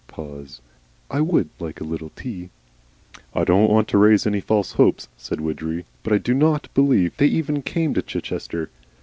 Pause. "I WOULD like a little tea." "I don't want to raise any false hopes," said Widgery. "But I do NOT believe they even came to Chichester.